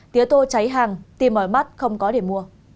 tía tô cháy hàng tìm mỏi mắt không có điểm